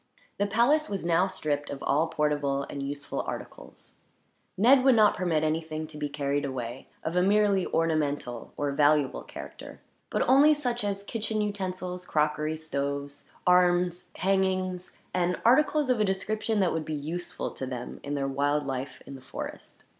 The palace was now stripped of all portable and useful articles. Ned would not permit anything to be carried away of a merely ornamental or valuable character; but only such as kitchen utensils, crockery, stoves, arms, hangings, and articles of a description that would be useful to them, in their wild life in the forest.